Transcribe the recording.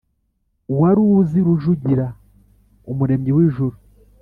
Waruzi rujugira umuremyi w’ijuru